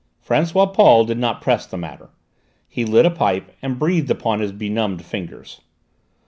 François Paul did not press the matter. He lit a pipe and breathed upon his benumbed fingers.